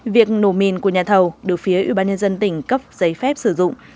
việc nổ mìn của nhà thầu được phía ủy ban nhân dân tỉnh cấp giấy phép sử dụng